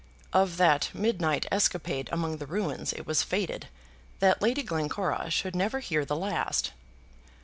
Of that midnight escapade among the ruins it was fated that Lady Glencora should never hear the last.